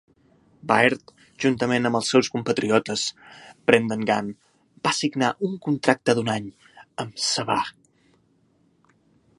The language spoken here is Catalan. Baird, juntament amb els seus compatriotes, Brendan Gan va signar un contracte d'un any amb Sabah.